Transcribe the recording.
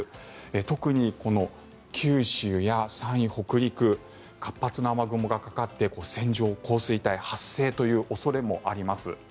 特に九州や山陰、北陸活発な雨雲がかかって線状降水帯発生という恐れもあります。